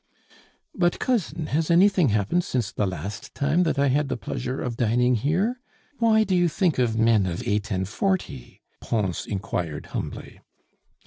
"But, cousin, has anything happened since the last time that I had the pleasure of dining here? Why do you think of men of eight and forty?" Pons inquired humbly.